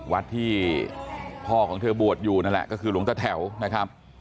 วัดที่พ่อของเธอบวชอยู่นั่นแหละก็คือหลวงตะแถวนะครับ